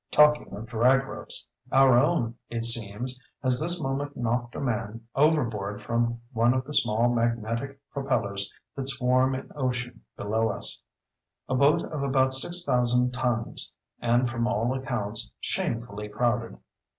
Talking of drag ropes—our own, it seems, has this moment knocked a man overboard from one of the small magnetic propellers that swarm in ocean below us—a boat of about six thousand tons, and, from all accounts, shamefully crowded.